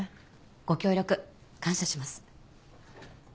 ご協力感謝します。